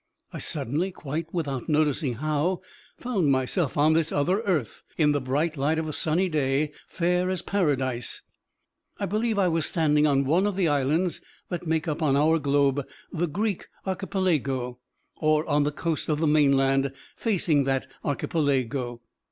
I suddenly, quite without noticing how, found myself on this other earth, in the bright light of a sunny day, fair as paradise. I believe I was standing on one of the islands that make up on our globe the Greek archipelago, or on the coast of the mainland facing that archipelago.